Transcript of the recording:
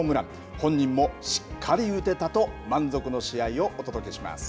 本人も、しっかり打てたと満足の試合をお届けします。